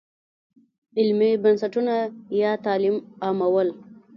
علمي بنسټونه یا تعلیم عامول.